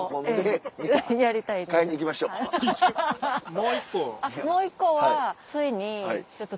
もう１個は。